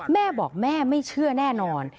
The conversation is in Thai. แม่บอกแม่ไม่เชื่อแน่นอน